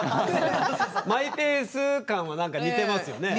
マイペース感はなんか似てますよね。